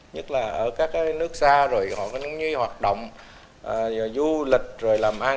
nhất là ở các nước xa rồi họ có những hoạt động du lịch rồi làm ăn